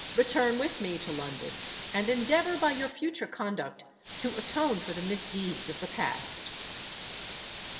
Return with me to London; and endeavour by your future conduct to atone for the misdeeds of the past.'